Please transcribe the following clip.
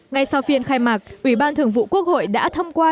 ngay sau phiên khai mạc ủy ban thường vụ quốc hội đã thông qua